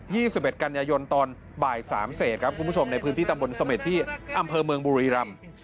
ี่สิบเอ็ดกันยายนตอนบ่ายสามเศษครับคุณผู้ชมในพื้นที่ตำบลเสม็ดที่อำเภอเมืองบุรีรำ